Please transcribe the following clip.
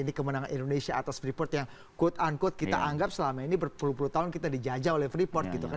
ini kemenangan indonesia atas freeport yang quote unquote kita anggap selama ini berpuluh puluh tahun kita dijajah oleh freeport gitu kan